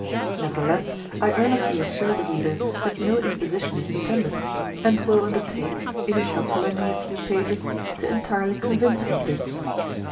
Nevertheless I earnestly assure the reader that no imposition is intended, and will undertake, if he shall follow me a few pages, to entirely convince him of this.